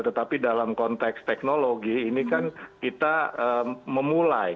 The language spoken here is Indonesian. tetapi dalam konteks teknologi ini kan kita memulai